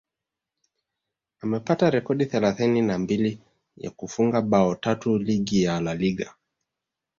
amepata rekodi thelathini na mbili ya kufunga bao tatu ligi ya La Liga